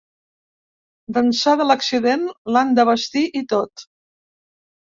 D'ençà de l'accident, l'han de vestir i tot.